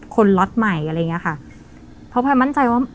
ล็อตใหม่อะไรอย่างเงี้ยค่ะเพราะพลอยมั่นใจว่า